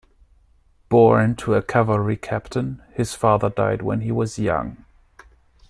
Born to a cavalry captain, his father died when he was young.